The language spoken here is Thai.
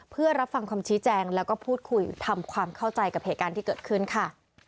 เพื่อรับฟังคำชี้แจงแล้วก็พูดคุยทำความเข้าใจกับเหตุการณ์ที่เกิดขึ้นค่ะ